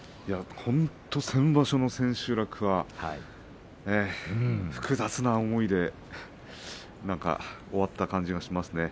先場所の千秋楽は複雑な思いでなんか終わった感じがしますね。